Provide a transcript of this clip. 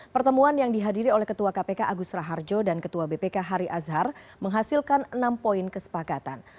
pertemuan yang dihadiri oleh ketua kpk agus raharjo dan ketua bpk hari azhar menghasilkan enam poin kesepakatan